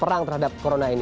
perang terhadap corona ini